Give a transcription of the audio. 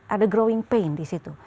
ada growing paint di situ